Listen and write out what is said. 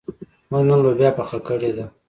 موږ نن لوبیا پخه کړې ده.